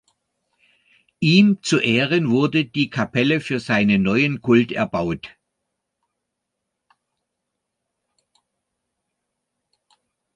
Ihm zu Ehren wurde die Kapelle für seinen neuen Kult erbaut.